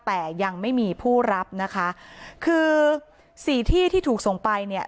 แต่ยังไม่มีผู้รับนะคะคือสี่ที่ที่ถูกส่งไปเนี่ย